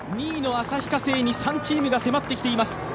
２位の旭化成に３チームが迫ってきています。